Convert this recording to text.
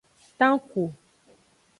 Tanku.